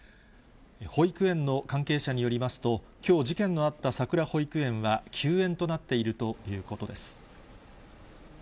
保育園の関係者によりますと、きょう、事件のあったさくら保育園は休園となっているということです。